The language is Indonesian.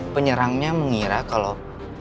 penyerangnya mengira kalau